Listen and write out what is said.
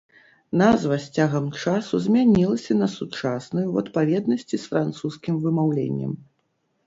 Назва з цягам часу змянілася на сучасную ў адпаведнасці з французскім вымаўленнем.